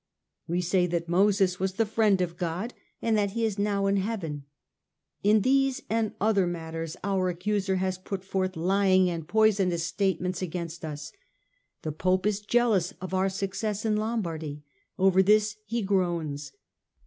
We say that Moses was the friend of God and that he in now in heaven. In these and other matters our accuser has put forth lying and poisonous statements against us. ... The Pope is jealous of our success in Lombardy ; over this he groans.